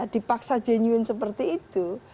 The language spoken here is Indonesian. dipaksa jenuin seperti itu